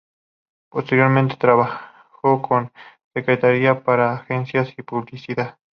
Posteriormente, trabajó como secretaria para agencias de publicidad.